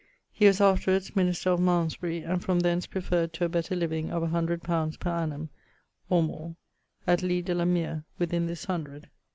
He was afterwards minister of Malmesbury, and from thence preferred to a better living of 100 li. per annum, or +, at Leigh de la mere within this hundred.